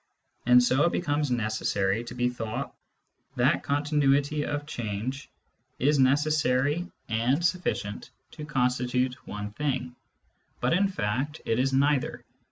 And so it comes to be thought that q?!]1^""'^y of ^^^"g^ is necessary and suflicient to constitute one thing. But in fact it is neither.